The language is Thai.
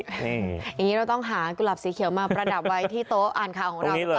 อย่างนี้เราต้องหากุหลับสีเขียวมาประดับไว้ที่โต๊ะอ่านข่าวของเราดีกว่า